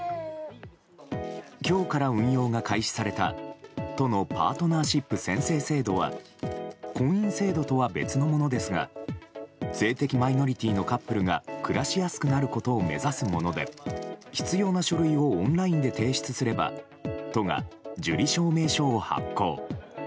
今日から運用が開始された都のパートナーシップ宣誓制度は婚姻制度とは別のものですが性的マイノリティーのカップルが暮らしやすくなることを目指すもので必要な書類をオンラインで提出すれば都が受理証明書を発行。